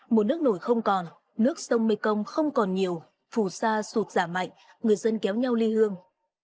mùa nước nổi không còn nước sông mekong không còn nhiều phù sa sụt giảm mạnh người dân kéo nhau ly hương